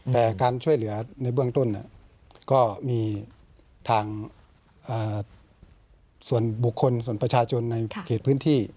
แต่การช่วยเหลือในเบื้องต้นก็มีทางส่วนบุคคลส่วนประชาชนในเขตพื้นที่